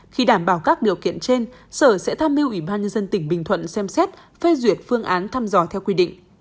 khi đảm bảo các điều kiện trên sở sẽ tham mưu ủy ban nhân dân tỉnh bình thuận xem xét phê duyệt phương án thăm dò theo quy định